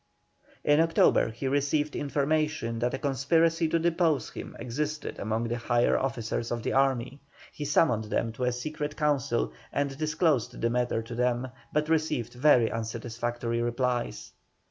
In October he received information that a conspiracy to depose him existed among the higher officers of the army. He summoned them to a secret council and disclosed the matter to them, but received very unsatisfactory replies.